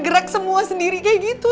gerak semua sendiri kayak gitu